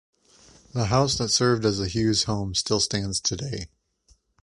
The house that served as the Hughes' home still stands today.